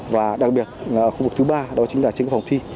và đặc biệt khu vực thứ ba đó chính là trên phòng thi